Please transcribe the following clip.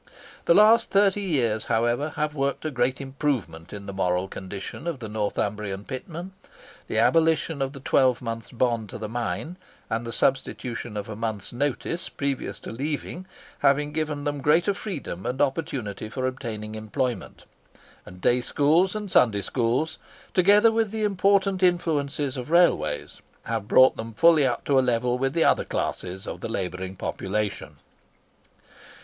The last thirty years, however, have worked a great improvement in the moral condition of the Northumbrian pitmen; the abolition of the twelve months' bond to the mine, and the substitution of a month's notice previous to leaving, having given them greater freedom and opportunity for obtaining employment; and day schools and Sunday schools, together with the important influences of railways, have brought them fully up to a level with the other classes of the labouring population.